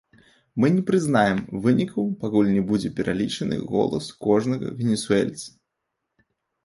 Мы не прызнаем вынікаў, пакуль не будзе пералічаны голас кожнага венесуэльца!